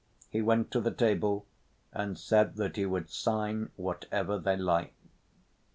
He went to the table and said that he would sign whatever they liked.